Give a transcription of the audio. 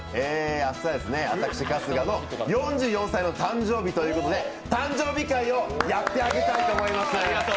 明日私、春日の４４歳の誕生日ということで、誕生日会をやって上げたいと思います。